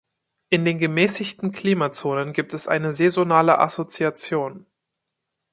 In den gemäßigten Klimazonen gibt es eine saisonale Assoziation.